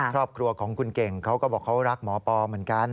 ครอบครัวของคุณเก่งเขาก็บอกเขารักหมอปอเหมือนกัน